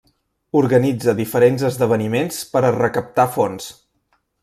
Organitza diferents esdeveniments per a recaptar fons.